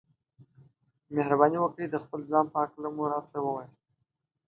مهرباني وکړئ د خپل ځان په هکله مو راته ووياست.